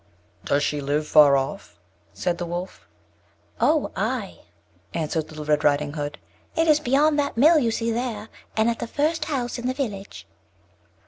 "Does she live far off?" said the Wolf. "Oh! ay," answered Little Red Riding Hood, "it is beyond that mill you see there, at the first house in the village."